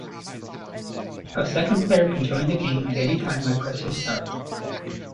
A second player can join the game at any time by pressing start.